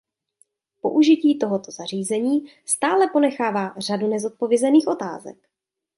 Použití tohoto zařízení stále ponechává řadu nezodpovězených otázek.